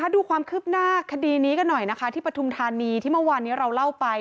ดูความคืบหน้าคดีนี้กันหน่อยนะคะที่ปฐุมธานีที่เมื่อวานนี้เราเล่าไป